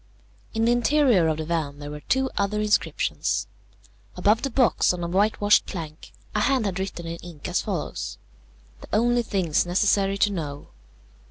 In the interior of the van there were two other inscriptions. Above the box, on a whitewashed plank, a hand had written in ink as follows: "THE ONLY THINGS NECESSARY TO KNOW.